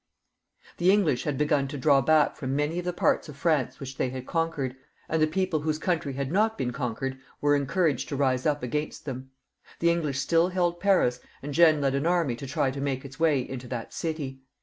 The English had begun to draw back from many of the parts of France which they had conquered, and the people whose country had not ' been conquered were encouraged to rise up against them. The English still held Paris, and Jeanne led an army to try and make its way into that city.